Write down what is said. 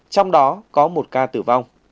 trong đó có một ca tử vong